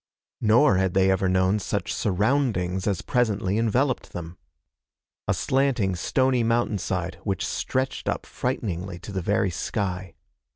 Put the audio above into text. Nor had they ever known such surroundings as presently enveloped them. A slanting, stony mountainside which stretched up frighteningly to the very sky.